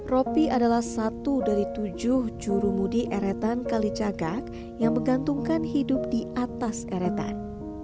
ropi adalah satu dari tujuh jurumudi eretan kali cagak yang menggantungkan hidup di atas eretan